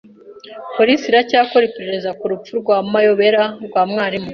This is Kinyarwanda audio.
Polisi iracyakora iperereza ku rupfu rw’amayobera rwa mwarimu.